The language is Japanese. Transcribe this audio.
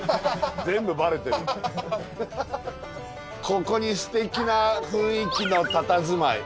ここにすてきな雰囲気のたたずまい。